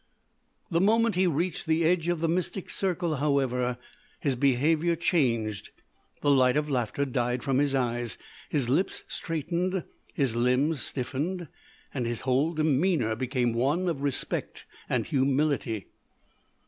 "The moment he reached the edge of the mystic circle, however, his behaviour changed; the light of laughter died from his eyes, his lips straightened, his limbs stiffened, and his whole demeanour became one of respect and humility.